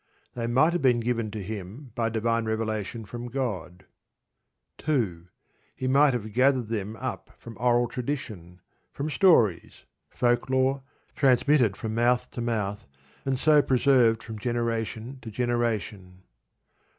They might have been given to him by divine revelation from God. 2. He might have gathered them up from oral tradition, from stories, folklore, transmitted from mouth to mouth, and so preserved from generation to generation.